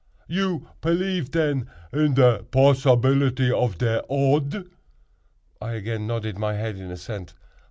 You pelief, ten, in te possibilty of te odd?" I again nodded my head in assent.